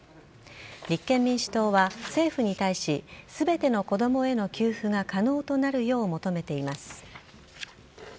立憲民主党は政府に対し全ての子供への給付が可能となるよう求めています。